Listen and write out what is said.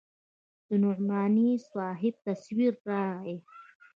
د نعماني صاحب تصوير راغى.